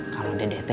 kalau dedek teh